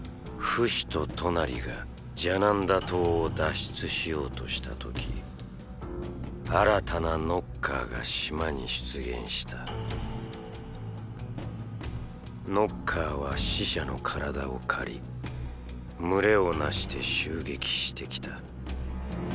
フシとトナリがジャナンダ島を脱出しようとした時新たなノッカーが島に出現したノッカーは死者の体を借り群れをなして襲撃してきた。